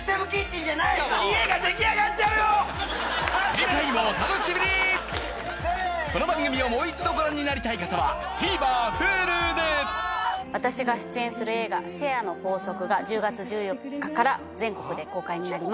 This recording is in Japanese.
次回もお楽しみにこの番組をもう一度ご覧になりたい方はＴＶｅｒＨｕｌｕで私が出演する映画『シェアの法則』が１０月１４日から全国で公開になります。